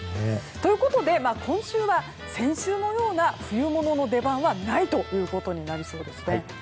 ということで今週は先週のような冬物の出番はないということになりそうです。